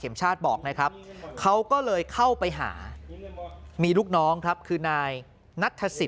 ชาติบอกนะครับเขาก็เลยเข้าไปหามีลูกน้องครับคือนายนัทธศิษ